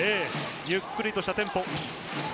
ゆっくりしたテンポ。